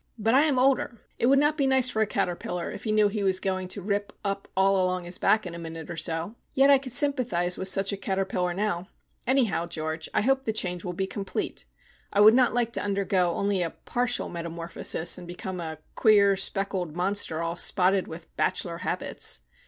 But I am older. It would not be nice for a caterpillar if he knew he was going to rip up all along his back in a minute or so. Yet I could sympathise with such a caterpillar now. Anyhow, George, I hope the change will be complete. I would not like to undergo only a partial metamorphosis, and become a queer speckled monster all spotted with bachelor habits.